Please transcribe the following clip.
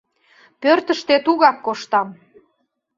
Пӧртыштӧ тугак коштам...